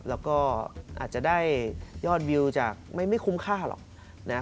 แล้วก็อาจจะได้ยอดวิวจากไม่คุ้มค่าหรอกนะ